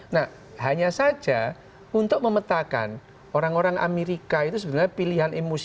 nah hanya saja untuk memetakan orang orang amerika itu sebenarnya pilihan emosi